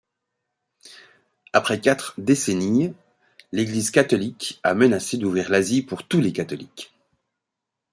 Après quatre décennies, l'Église catholique a menacé d'ouvrir l'Asie pour tous les catholiques.